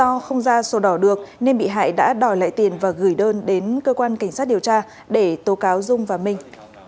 đầu năm hai nghìn một mươi chín do không ra số đỏ được nên bị hại đã đòi lại tiền và gửi đơn đến cơ quan cảnh sát điều tra để tố cáo dung và minh